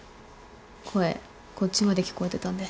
声こっちまで聞こえてたんで。